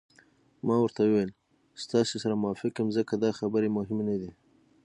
ما ورته وویل: ستاسي سره موافق یم، ځکه دا خبرې مهمې نه دي.